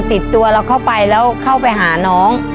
ติดตัวเราเข้าไปแล้วเข้าไปหาน้อง